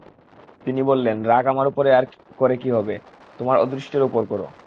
তিনি বললেন, রাগ আমার উপরে করে কী হবে, তোমার অদৃষ্টের উপর করো।